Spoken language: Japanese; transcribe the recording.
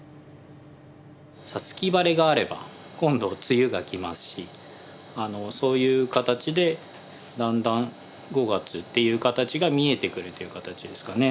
五月晴れがあれば今度梅雨が来ますしそういう形でだんだん５月という形が見えてくるという形ですかね。